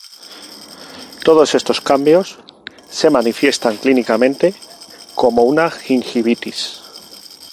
Todos estos cambios se manifiestan clínicamente como una gingivitis.